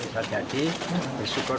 dan posisi ingkur